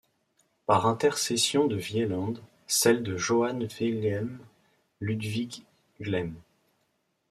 Par intercession de Wieland, celle de Johann Wilhelm Ludwig Gleim.